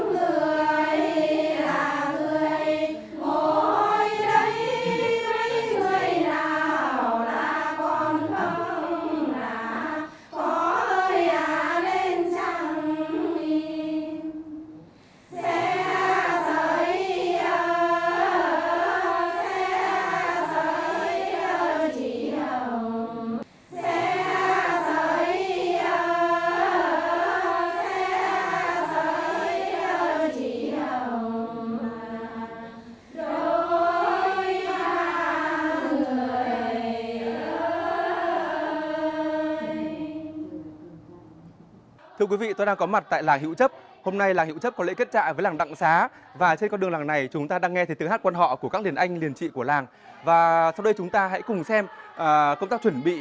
điều này đã giúp cho những người quan họ gốc vô cùng nhiều năm tình hình